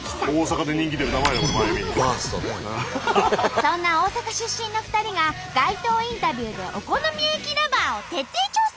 そんな大阪出身の２人が街頭インタビューでお好み焼きＬｏｖｅｒを徹底調査！